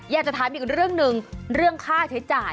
อยากจะถามอีกเรื่องหนึ่งเรื่องค่าใช้จ่าย